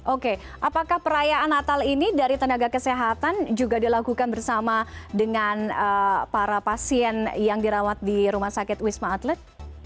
oke apakah perayaan natal ini dari tenaga kesehatan juga dilakukan bersama dengan para pasien yang dirawat di rumah sakit wisma atlet